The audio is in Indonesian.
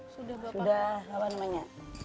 sudah apa namanya